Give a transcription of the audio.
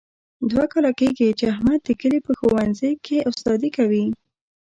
دوه کاله کېږي، چې احمد د کلي په ښوونځۍ کې استادي کوي.